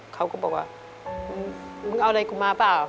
เขาก็บอกว่ามึงมึงเอาอะไรกูมาเปล่า